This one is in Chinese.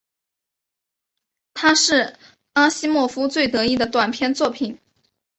它是阿西莫夫最得意的短篇作品。